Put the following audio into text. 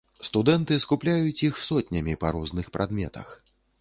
Студэнты скупляюць іх сотнямі па розных прадметах.